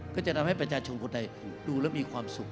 ก็จะทำให้ประชาชนคนใดดูแล้วมีความสุข